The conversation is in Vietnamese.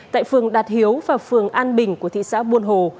tại phường đạt hiếu và phường an bình của thị xã buôn hồ